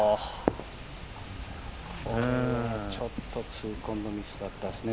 ちょっと痛恨のミスだったですね。